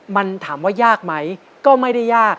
มันถามว่ายากไหมก็ไม่ได้ยาก